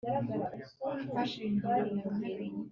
ataruko ndi umuswa cyangwa wenda nakoze